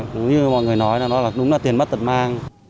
cũng như mọi người nói là nó là đúng là tiền mất tật mang